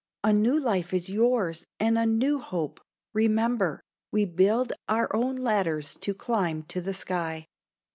A new life is yours and a new hope. Remember We build our own ladders to climb to the sky.